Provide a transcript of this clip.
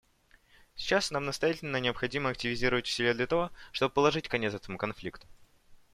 Сейчас нам настоятельно необходимо активизировать усилия для того, чтобы положить конец этому конфликту.